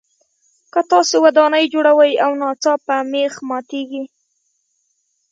که تاسو ودانۍ جوړوئ او ناڅاپه مېخ ماتیږي.